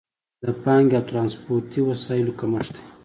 د پانګې او ترانسپورتي وسایلو کمښت دی.